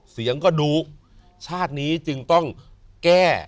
เสียงก็ดูชาตินี้จึงต้องแก้